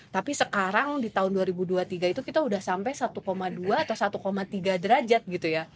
tapi sekarang di tahun dua ribu dua puluh tiga itu kita sudah sampai satu dua atau satu tiga derajat gitu ya